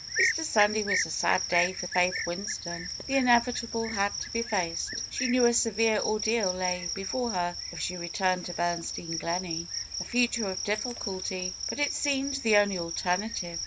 Easter Sunday was a sad day for Faith Winston. The inevitable had to be faced. She knew a severe ordeal lay before her if she returned to Bernstein Gleney, a future of difficulty; but it seemed the only alternative.